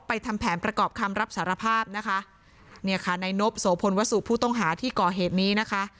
ทำแผนประกอบคำรับสารภาพนะคะเนี่ยค่ะในนบโสพลวสุผู้ต้องหาที่ก่อเหตุนี้นะคะ